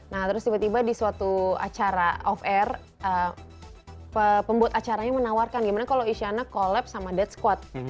nah terus tiba tiba di suatu acara off air pembuat acaranya menawarkan gimana kalau isyana collapse sama dead squat